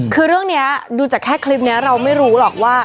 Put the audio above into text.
คือเรื่องนี้ดูจากแค่คลิปนี้เราไม่รู้หรอกว่า